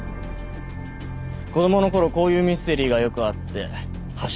子供の頃こういうミステリーがよくあって橋の上が舞台だった。